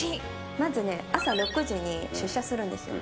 まず朝６時に出社するんですよ。